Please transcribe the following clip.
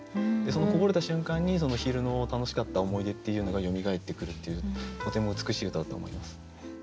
そのこぼれた瞬間にその昼の楽しかった思い出っていうのがよみがえってくるっていうとても美しい歌だと思います。